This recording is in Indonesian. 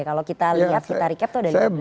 kalau kita lihat kita recap tuh udah lima belas kali